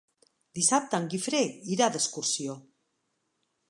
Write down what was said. Dissabte en Guifré irà d'excursió.